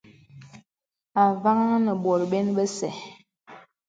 Avàŋhā nə bòt bə̀n bese.